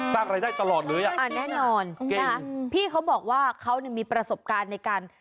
ตากอะไรได้ตลอดเลยอะแกงอ่ะนานี่เค้าบอกว่าเค้าเองมีประสบการณ์ในการ